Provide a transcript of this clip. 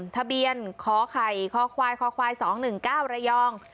ทะเบียนขอไข่คควายคควาย๒๑๙ระยอง